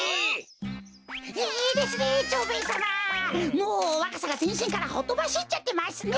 もうわかさがぜんしんからほとばしっちゃってますね。